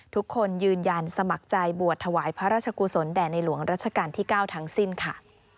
ทุกคนยืนยันสมัครใจบวชถวายพระราชกุศลแด่ในหลวงรัชกาลที่๙ทั้งสิ้นค่ะ